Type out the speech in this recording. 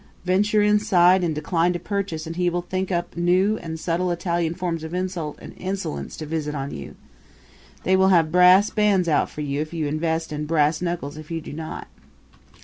Venture inside and decline to purchase and he will think up new and subtle Italian forms of insult and insolence to visit on you. They will have brass bands out for you if you invest and brass knuckles if you do not.